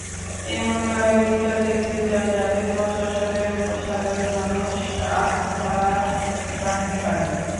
এমনভাবে বিচার দেখতে চাই, যাতে প্রশাসনের ওপর সাধারণ মানুষ আস্থার রাখতে পারে।